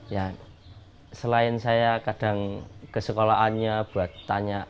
ya selain saya kadang ke sekolahannya buat tanya